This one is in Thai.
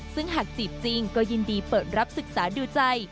ซึ่งหากจีบจริงก็ยินดีเปิดรับศึกษาดูใจ